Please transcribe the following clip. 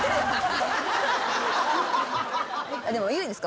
でもいいですか？